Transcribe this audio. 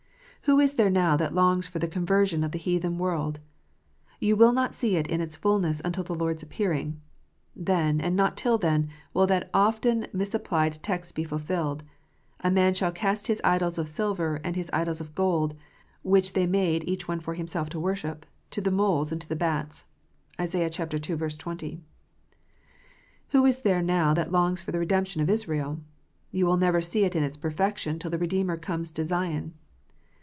Who is there now that longs for the conversion of the heathen world? You will not see it in its fulness until the Lord s appearing. Then, and not till then, will that often misapplied text be fulfilled : "A man shall cast his idols of silver, and his idols of gold, which they made each one for himself to worship, to the moles and to the bats." (Isa. ii. 20.) Who is there now that longs for the redemption of Israel 1 You will never see it in its perfection till the Redeemer comes to Zion.